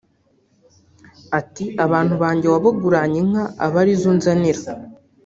ati “Abantu banjye wabaguranye inka aba ari zo unzanira